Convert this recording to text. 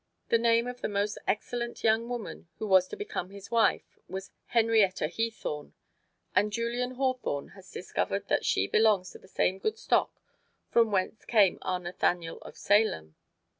The name of the most excellent young woman who was to become his wife was Henrietta Heathorn; and Julian Hawthorne has discovered that she belongs to the same good stock from whence came our Nathaniel of Salem.